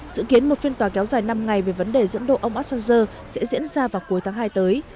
dự kiến một phiên tòa kéo dài năm ngày về vấn đề dẫn độ ông assanger sẽ diễn ra vào cuối tháng hai tới